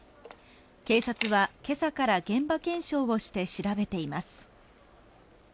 警察は今朝から現場検証をして調べています。